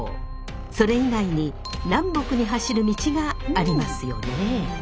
それ以外に南北に走る道がありますよね。